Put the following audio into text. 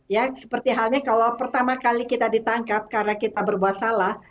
ya seperti halnya kalau pertama kali kita ditangkap karena kita berbuat salah